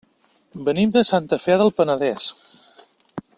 Venim de Santa Fe del Penedès.